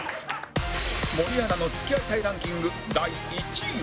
森アナの付き合いたいランキング第１位は